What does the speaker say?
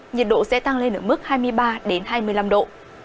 nhiệt độ sẽ tăng lên ở mức hai mươi ba hai mươi năm độ